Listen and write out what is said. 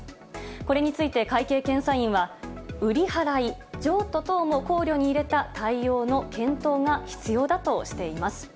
これについて会計検査院は、売り払い、譲渡等も考慮に入れた対応の検討が必要だとしています。